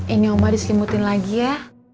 ini omba diselimutin lagi ya